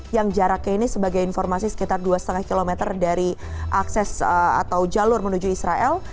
yang jaraknya ini sebagai informasi sekitar dua lima km dari akses atau jalur menuju israel